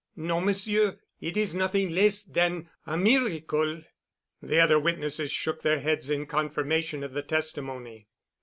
"No, Monsieur. It is nothing less than a miracle." The other witnesses shook their heads in confirmation of the testimony.